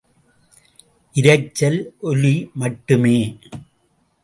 இரைச்சல், ஒலி மட்டுமே!